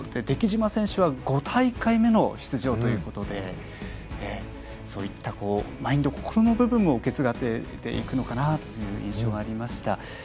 出来島選手は５大会目の出場ということでそういったマインドの部分も受け継がれていくのかなという印象がありました。